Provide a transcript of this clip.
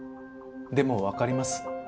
でもわかります。